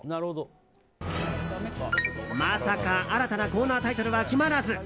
まさか、新たなコーナータイトルは決まらず。